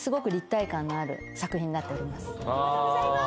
ありがとうございます。